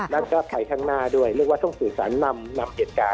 แล้วก็ไปข้างหน้าด้วยเรียกว่าต้องสื่อสารนำเหตุการณ์